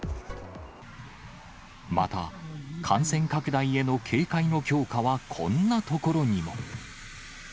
また、感染拡大への警戒の強化はこんなところにも。